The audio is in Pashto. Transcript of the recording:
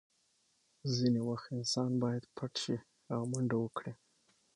ځینې وخت انسان باید پټ شي او منډه وکړي